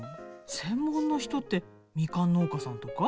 専門の人ってみかん農家さんとか？